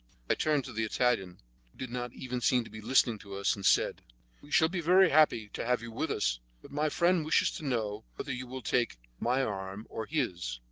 I turned to the Italian, who did not even seem to be listening to us, and said: "We shall be very happy to have you with us, but my friend wishes to know whether you will take my arm or his?"